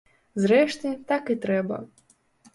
Зрэшты, так і трэба.